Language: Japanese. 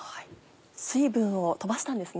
水分を飛ばしたんですね。